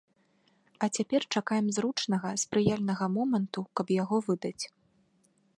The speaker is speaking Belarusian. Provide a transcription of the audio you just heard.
А цяпер чакаем зручнага, спрыяльнага моманту, каб яго выдаць.